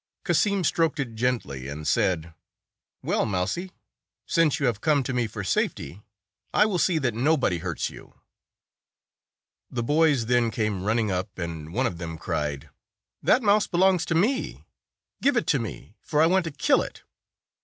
Cassim stroked it gently, and said, "Well, Mousie, since you have come to me for safety, I will see that nobody hurts you." 175 176 The boys then came running up, and one of them cried, " That mouse belongs to me. Give it to me, for I want to kill it."